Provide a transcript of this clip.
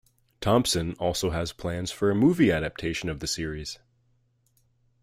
Thompson also has plans for a movie adaptation of the series.